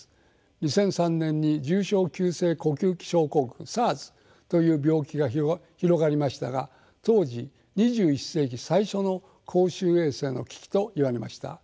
２００３年に重症急性呼吸器症候群ＳＡＲＳという病気が広がりましたが当時「２１世紀最初の公衆衛生の危機」と言われました。